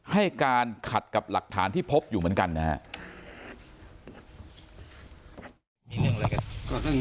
ให้การขัดกับหลักฐานที่พบอยู่เหมือนกันนะครับ